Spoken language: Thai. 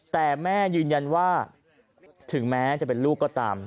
แต่แม่ยืนยันว่าถึงแม้จะเป็นลูกก็ตาม